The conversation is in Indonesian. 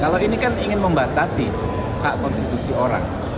kalau ini kan ingin membatasi hak konstitusi orang